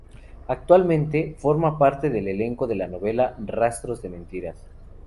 Actualmente, forma parte del elenco de la novela "Rastros de mentiras".